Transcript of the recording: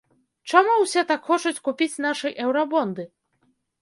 Чаму ўсе так хочуць купіць нашы еўрабонды?